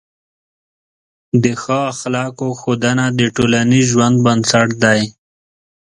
د ښه اخلاقو ښودنه د ټولنیز ژوند بنسټ دی.